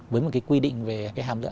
với một cái quy định về hàm dưỡng